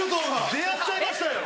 出会っちゃいましたよ。